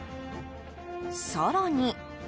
更に。